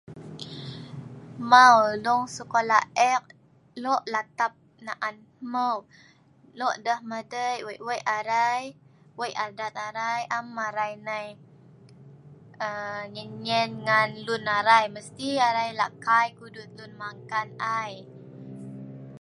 Mau dong sekola eek lok latap naan hmeu. Lok deh madei weik-weik arai, weik adat arai, am arai nai aa nyien nyien ngan lun arai mesti arai kai kudut lun mak kan ai